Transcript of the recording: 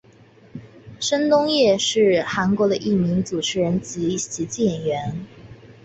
申东烨是韩国的一名主持人及喜剧演员。